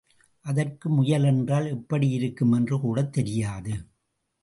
அதற்கு முயல் என்றால் எப்படி இருக்கும் என்று கூடத் தெரியாது.